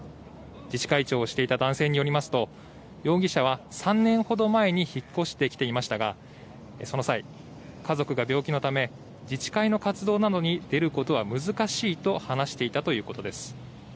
自治会長をしていた男性によりますと容疑者は３年ほど前に引っ越してきていましたがその際、家族が病気のため自治会の活動などに出ることは難しいと話していたということです。